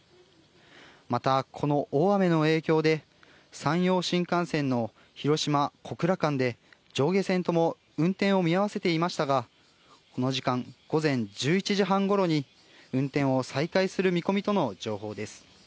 また、この大雨の影響で山陽新幹線の広島ー小倉間で上下線とも運転を見合わせていましたが、この時間、午前１１時半ごろに運転を再開する見込みとの情報です。